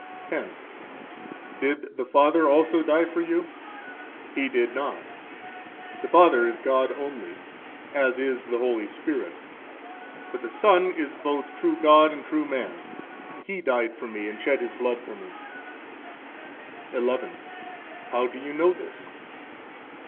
10. Did the Father also die for you? He did not. The Father is God only, as is the Holy Spirit; but the Son is both true God and true man. He died for me and shed his blood for me. 11. How do you know this?